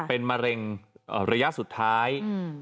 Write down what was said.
เป็นมะเร็งระยะสุดท้าย